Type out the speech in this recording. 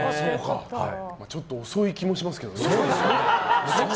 ちょっと遅い気もしますけどね。